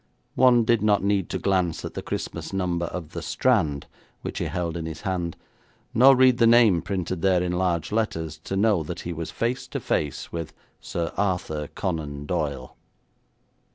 One did not need to glance at the Christmas number of the Strand, which he held in his hand, nor read the name printed there in large letters, to know that he was face to face with Sir Arthur Conan Doyle.